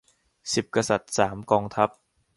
สิบกษัตริย์ สามกองทัพ